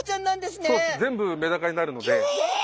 全部メダカになるので。